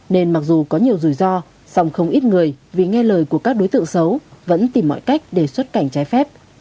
nên mặc dù có nhiều rủi ro song không ít người vì nghe lời của các đối tượng xấu vẫn tìm mọi cách để xuất cảnh trái phép